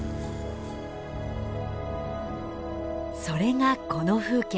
それがこの風景。